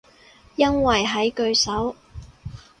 因為喺句首